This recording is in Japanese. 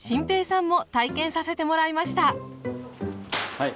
はい。